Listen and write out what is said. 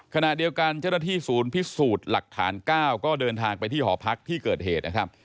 ขณะเดียวกันเจ้าหน้าที่ศูนย์พิสูจน์หลักฐาน๙ก็เดินทางไปที่หอพักที่เกิดเหตุนะครับ